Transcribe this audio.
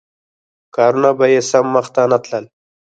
کارونه به یې سم مخته نه تلل.